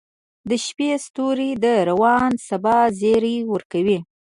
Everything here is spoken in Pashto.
• د شپې ستوري د روڼ سبا زیری ورکوي.